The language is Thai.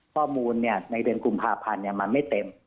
ข้อมูลในเดือนกุมภาพันธ์มันไม่เต็ม